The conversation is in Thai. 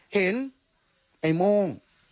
เห็นไอ้มงค์